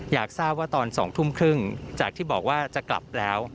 อยากทราบว่าตอน๒ทุ่มครึ่งจากที่บอกว่าจะกลับแล้ว